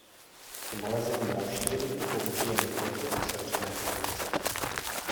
K nalezení další limity použijeme větu o sevřené funkci.